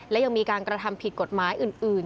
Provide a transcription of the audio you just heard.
และยังมีการกระทำผิดกฎหมายอื่น